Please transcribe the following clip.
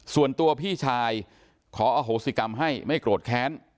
ส่วนตัวพี่ชายขออโหสิกรรมให้ไม่โกรธแค้น